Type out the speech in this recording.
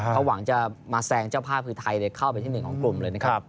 เขาหวังจะมาแซงเจ้าภาพคือไทยเข้าไปที่๑ของกลุ่มเลยนะครับ